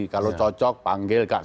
kalau cocok panggilkan